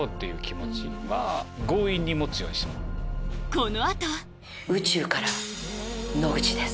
この後「宇宙から野口です」。